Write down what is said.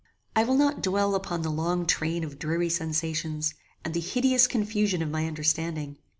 I will not dwell upon the long train of dreary sensations, and the hideous confusion of my understanding.